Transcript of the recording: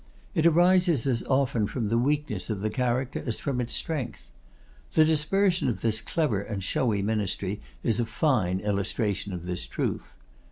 It arises as often from the weakness of the character as from its strength. The dispersion of this clever and showy ministry is a fine illustration of this truth.